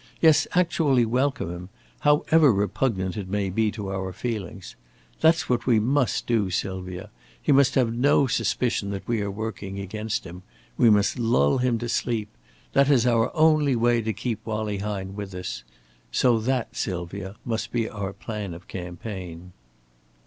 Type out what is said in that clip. Yes, actually welcome him, however repugnant it may be to our feelings. That's what we must do, Sylvia. He must have no suspicion that we are working against him. We must lull him to sleep. That is our only way to keep Wallie Hine with us. So that, Sylvia, must be our plan of campaign."